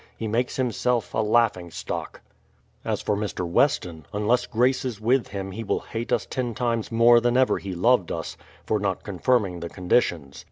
He makes himself a laughing stock. As for Mr. Weston, unless grace is with him he will hate us ten times more than ever he loved us, for not confirming the conditions.